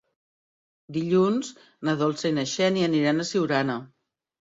Dilluns na Dolça i na Xènia aniran a Siurana.